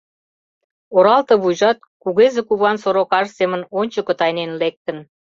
Оралте вуйжат кугезе куван сорокаж семын ончыко тайнен лектын.